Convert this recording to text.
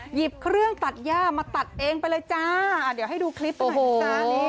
หยิบเครื่องตัดย่ามาตัดเองไปเลยจ้าเดี๋ยวให้ดูคลิปไปหน่อยนะจ๊ะ